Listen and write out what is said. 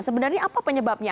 sebenarnya apa penyebabnya